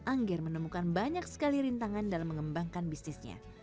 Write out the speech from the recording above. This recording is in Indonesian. angger menemukan banyak sekali rintangan dalam mengembangkan bisnisnya